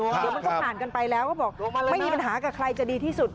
เดี๋ยวมันก็ผ่านกันไปแล้วก็บอกไม่มีปัญหากับใครจะดีที่สุด